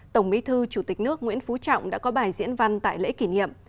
tổng bí thư chủ tịch nước nguyễn phú trọng đã có bài diễn văn tại lễ kỷ niệm